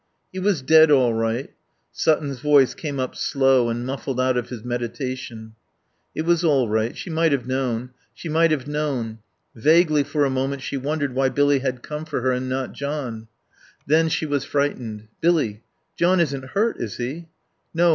"He was dead all right." Sutton's voice came up slow and muffled out of his meditation. It was all right. She might have known. She might have known. Vaguely for a moment she wondered why Billy had come for her and not John; then she was frightened. "Billy John isn't hurt, is he?" "No.